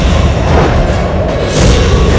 amin ya rukh alamin